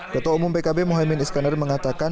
ketua umum pkb muhamad bin iskandar menegaskan